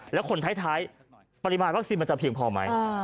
แล้วคนท้ายปริมาณวัคซีนมันจะเพียงพอไหม